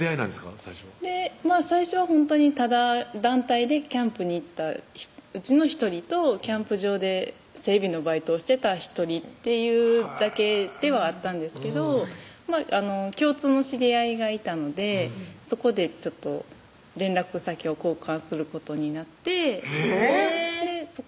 最初最初はほんとにただ団体でキャンプに行ったうちの１人とキャンプ場で整備のバイトをしてた１人っていうだけではあったんですけど共通の知り合いがいたのでそこでちょっと連絡先を交換することになってえぇっ！